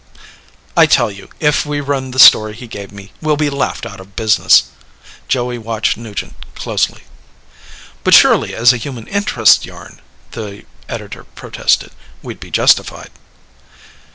"I tell you, if we run the story he gave me, we'll be laughed out of business." Joey watched Nugent closely. "But surely as a human interest yarn," the editor protested, "we'd be justified."